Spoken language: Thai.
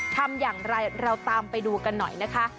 ทำอย่างไรเราตามไปดูกันหน่อยนะคะ